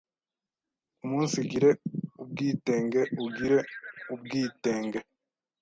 Umunsigire ubwitenge u gire u bwite n g e